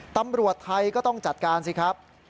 ตำรวจไทยก็ต้องจัดการสิครับ